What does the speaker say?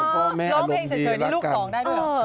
พี่ปั้นร้องเพลงเฉยนี่ลูกสองได้ด้วยหรอ